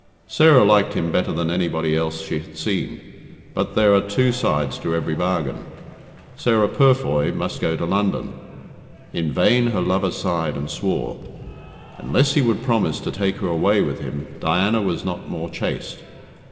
Sarah liked him better than anybody else she had seen, but there are two sides to every bargain. Sarah Purfoy must go to London. In vain her lover sighed and swore. Unless he would promise to take her away with him, Diana was not more chaste.